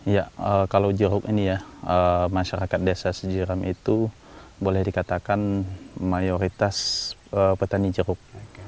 ya kalau jeruk ini ya masyarakat desa sejiram itu boleh dikatakan mayoritas petani jeruk